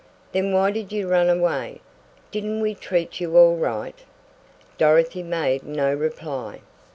"Then why did you run away? Didn't we treat you all right?" Dorothy made no reply.